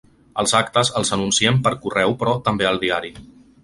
Els actes els anunciem per correu però també al diari.